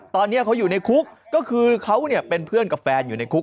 ตอนนี้เขาอยู่ในคุกก็คือเขาเป็นเพื่อนกับแฟนอยู่ในคุก